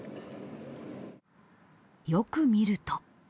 よく見ると。